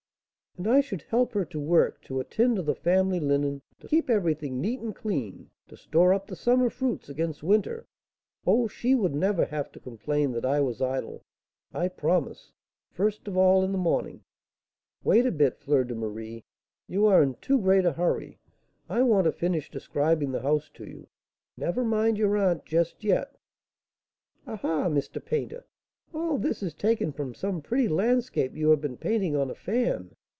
"And I should help her to work, to attend to the family linen, to keep everything neat and clean, to store up the summer fruits against winter oh, she would never have to complain that I was idle, I promise! First of all, in the morning " "Wait a bit, Fleur de Marie; you are in too great a hurry. I want to finish describing the house to you; never mind your aunt just yet." "Ah, ha, Mr. Painter! All this is taken from some pretty landscape you have been painting on a fan.